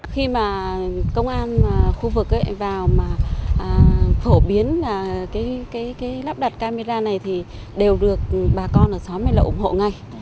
khi mà công an khu vực ấy vào mà phổ biến là cái cái cái lắp đặt camera này thì đều được bà con ở xóm ấy là ủng hộ ngay